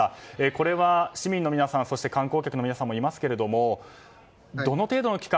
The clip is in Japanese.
これは、市民の皆さんそして観光客の皆さんもいますがどの程度の期間